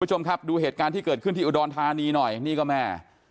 คุณผู้ชมครับดูเหตุการณ์ที่เกิดขึ้นที่อุดรธานีหน่อยนี่ก็แม่